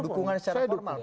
dukungan secara formal